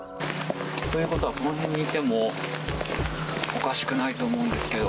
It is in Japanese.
この辺にいてもおかしくないと思うんですけど。